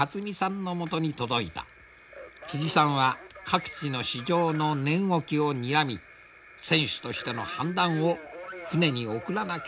さんは各地の市場の値動きをにらみ船主としての判断を船に送らなければならない。